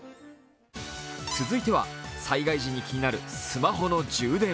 続いては、災害時に気になるスマホの充電。